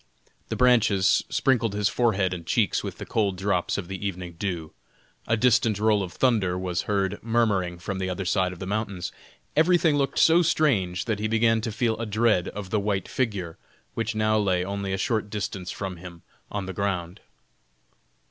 The branches sprinkled his forehead and cheeks with the cold drops of the evening dew; a distant roll of thunder was heard murmuring from the other side of the mountains; everything looked so strange that he began to feel a dread of the white figure, which now lay only a short distance from him on the ground.